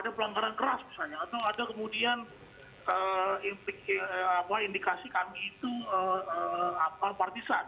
ada pelanggaran keras misalnya atau ada kemudian indikasi kami itu partisan